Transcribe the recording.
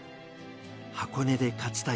箱根で勝ちたい。